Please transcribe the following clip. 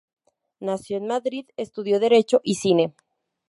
Nacido en Madrid, estudió derecho y cine.